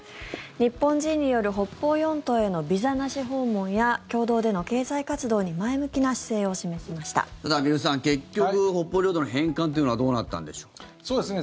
日本人による北方四島へのビザなし訪問や共同での経済活動に結局、北方領土問題の返還というのはどうなんでしょうか。